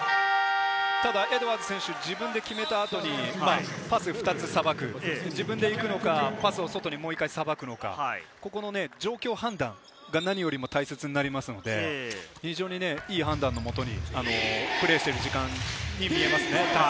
ただエドワーズ選手、自分で決めたあと、２つパスをさばくのか自分で行くのか、外に裁くのか、ここの状況判断が何よりも大切になりますので、非常にいい判断のもとにプレーしている時間に見えますね。